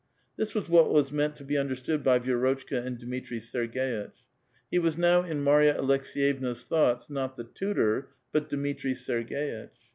This was what was meant to be undei'stood by Vierotchka and Dmitri 8erii:6itch ; he Avas now in Marva Aleks^vevna's thoughts not the tutor but Dmitri SergSitch.